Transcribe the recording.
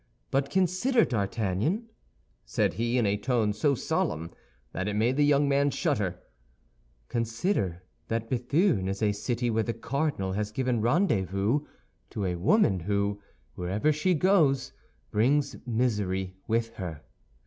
But consider, D'Artagnan," added he, in a tone so solemn that it made the young man shudder, "consider that Béthune is a city where the cardinal has given rendezvous to a woman who, wherever she goes, brings misery with her.